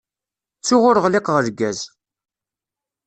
Ttuɣ ur ɣliqeɣ lgaz!